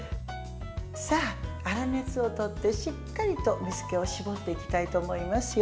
さあ、粗熱をとってしっかりと水けを絞っていきたいと思いますよ。